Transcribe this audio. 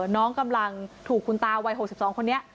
น้องกำลังถูกคุณตาวัย๖๒คนนี้